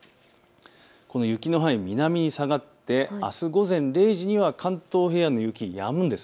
この雪の範囲が南に下がってあす午前０時には関東平野の雪はやむんです。